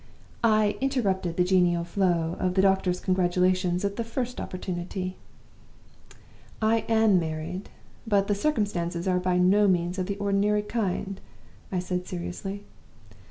"I interrupted the genial flow of the doctor's congratulations at the first opportunity. "'I am married; but the circumstances are by no means of the ordinary kind,' I said, seriously.